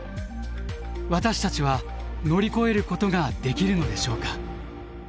私たちは乗り越えることができるのでしょうか？